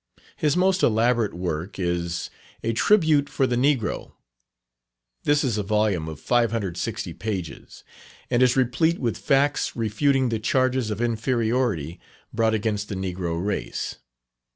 His most elaborate work is "A Tribute for the Negro." This is a volume of 560 pages, and is replete with facts refuting the charges of inferiority brought against the Negro race.